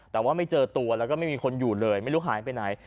แต่ว่าไม่เจอตัวแล้วก็ไม่มีคนอยู่เลยไม่รู้หายไปไหน